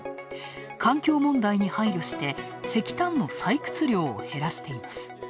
環境問題に配慮して石炭の採掘量を減らしています。